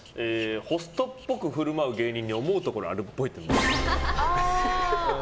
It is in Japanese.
ホストっぽくふるまう芸人に思うところがあるっぽい。